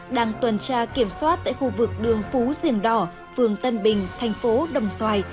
đang tuần tra kiểm soát tại khu vực đường phú diềng đỏ phường tân bình thành phố đồng xoài